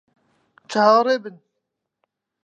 چاوەڕێ بن!